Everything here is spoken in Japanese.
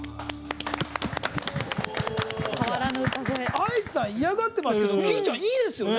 ＡＩさん嫌がってますけどＫｉｉちゃん、いいですよね？